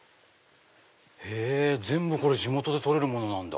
へぇ全部これ地元で採れるものなんだ。